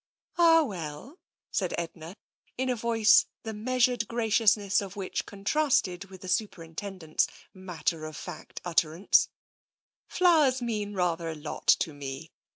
" "Ah, well," said Edna, in a voice the measured graciousness of which contrasted with the Superin tendent's matter of fact utterance, " flowers mean rather a lot to me.